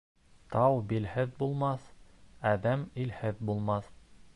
Тау билһеҙ булмаҫ, әҙәм илһеҙ булмаҫ.